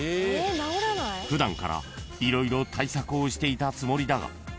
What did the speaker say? ［普段から色々対策をしていたつもりだが］